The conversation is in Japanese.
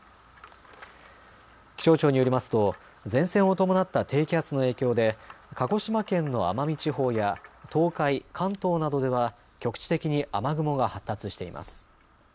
気象庁によりますと前線を伴った低気圧の影響で鹿児島県の奄美地方や東海、関東などでは局地的に雨雲が発達しています。